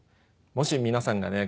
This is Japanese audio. もし皆さんがね